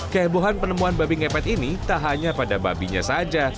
kehebohan penemuan babi ngepet ini tak hanya pada babinya saja